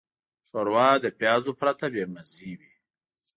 ښوروا له پیازو پرته بېمزه وي.